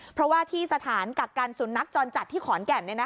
เพราะว่าที่สถานกักกันศูนย์นักจรจัดที่ขอนแก่นเนี้ยนะคะ